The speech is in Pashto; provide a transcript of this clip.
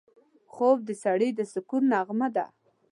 خوب د سړي د سکون نغمه ده